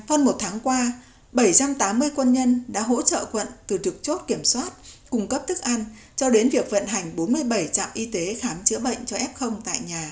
hơn một tháng qua bảy trăm tám mươi quân nhân đã hỗ trợ quận từ thực chốt kiểm soát cung cấp thức ăn cho đến việc vận hành bốn mươi bảy trạm y tế khám chữa bệnh cho f tại nhà